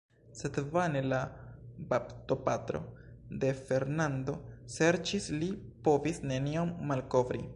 Sed vane la baptopatro de Fernando serĉis; li povis nenion malkovri.